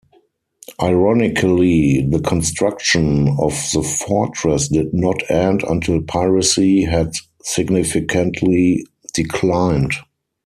Ironically, the construction of the fortress did not end until piracy had significantly declined.